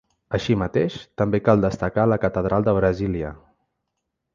Així mateix també cal destacar la Catedral de Brasília.